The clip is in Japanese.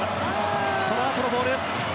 このあとのボール。